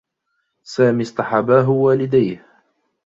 سامي اصطحباه والديه.